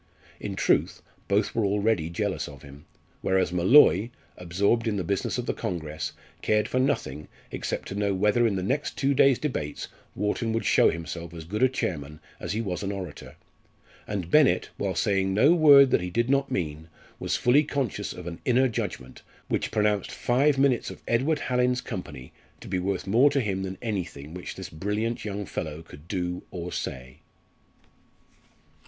In truth, both were already jealous of him; whereas Molloy, absorbed in the business of the congress, cared for nothing except to know whether in the next two days' debates Wharton would show himself as good a chairman as he was an orator; and Bennett, while saying no word that he did not mean, was fully conscious of an inner judgment, which pronounced five minutes of Edward Hallin's company to be worth more to him than anything which this brilliant young fellow could do or say.